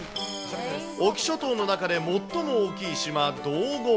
隠岐諸島の中で最も大きい島、島後。